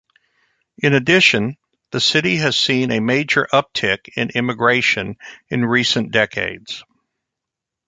In addition, the city has seen a major uptick in immigration in recent decades.